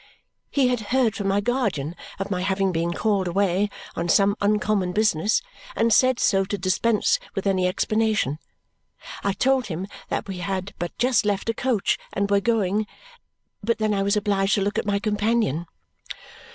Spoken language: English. He had heard from my guardian of my having been called away on some uncommon business and said so to dispense with any explanation. I told him that we had but just left a coach and were going but then I was obliged to look at my companion.